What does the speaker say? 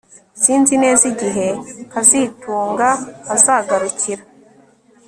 Sinzi neza igihe kazitunga azagarukira